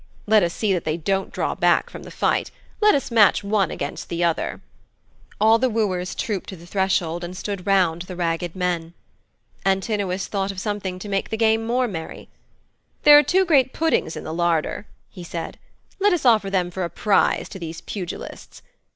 Let us see that they don't draw back from the fight. Let us match one against the other.' All the wooers trooped to the threshold and stood round the ragged men. Antinous thought of something to make the game more merry. 'There are two great puddings in the larder,' he said. 'Let us offer them for a prize to these pugilists.